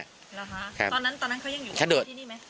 ตอนนั้นเขายังอยู่ที่นี่ไหม